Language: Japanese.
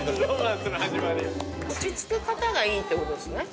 落ち着く方がいいってことですね。